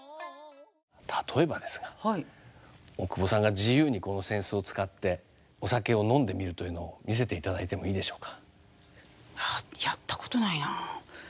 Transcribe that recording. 例えばですが大久保さんが自由にこの扇子を使ってお酒を飲んでみるというのを見せていただいてもいいでしょうか？